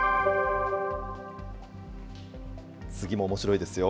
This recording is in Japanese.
次もおもしろいですよ。